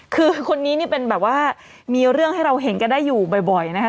คือคนนี้นี่เป็นแบบว่ามีเรื่องให้เราเห็นกันได้อยู่บ่อยนะคะ